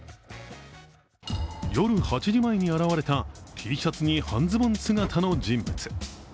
夜８時前に現れたＴシャツに半ズボン姿の人物。